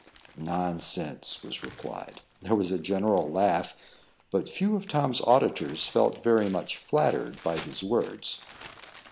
"Nonsense," was replied. There was a general laugh, but few of Tom's auditors felt very much flattered by his words.